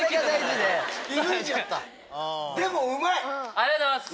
ありがとうございます！